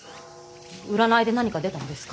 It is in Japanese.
占いで何か出たのですか。